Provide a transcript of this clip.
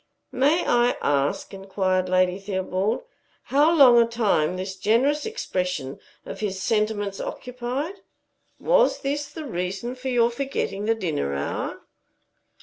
"May I ask," inquired Lady Theobald, "how long a time this generous expression of his sentiments occupied? Was this the reason of your forgetting the dinner hour?"